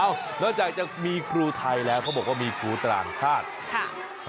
นอกจากจะมีครูไทยแล้วเขาบอกว่ามีครูต่างชาติค่ะ